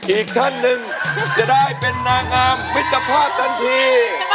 อีกท่านนึงอีกท่านหนึ่งจะได้นางงามมิจภาพทางที